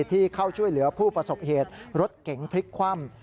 ที่เข้าช่วยเหลือผู้ประสบเหตุรถเก๋งพลิกคว่ำ